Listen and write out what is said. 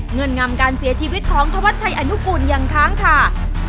เงินงำการเสียชีวิตของธวัดชัยอนุกูลยังค้างคา